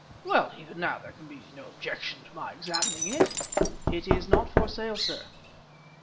"Well, even so, there can be no objection to my examining it?" "It is not for sale, sir."